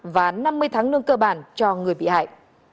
và năm mươi tháng lương cơ bản cho người bị hại